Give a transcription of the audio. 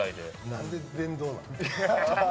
なんで電動なの？